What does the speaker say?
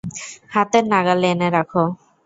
হাতের নাগালে এনে রাখ।